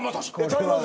ちゃいます。